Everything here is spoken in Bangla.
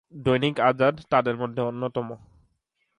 দৈনিক আজাদ তাদের মধ্যে অন্যতম।